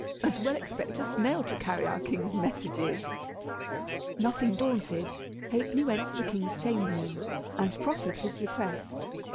As well expect a snail to carry our king's messages." Nothing daunted, Ha'penny went to the king's chamberlain, and proffered his request.